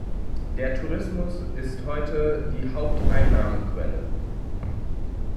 Der Tourismus ist heute die Haupteinnahmequelle.